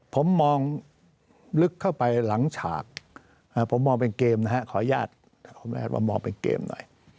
ผมมองลึกเข้าไปหลังฉากผมมองเป็นเกมนะฮะขออนุญาตมามองเป็นเกมหน่อย